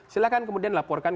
silahkan kemudian langsung